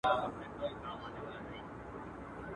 چي زما پښو ته یې ځینځیر جوړ کړ ته نه وې.